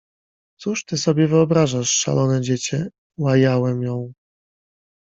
„Cóż ty sobie wyobrażasz, szalone dziecię!” — łajałem ją.